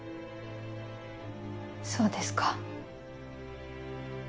そうですか。